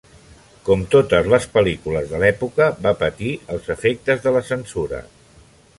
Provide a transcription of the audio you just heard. Com totes les pel·lícules de l'època, va patir els efectes de la censura.